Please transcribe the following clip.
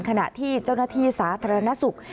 ขณะที่เจ้าหน้าที่สาธารณสุข